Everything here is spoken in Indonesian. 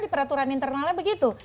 di peraturan internalnya begitu